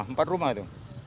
iya empat rumah itu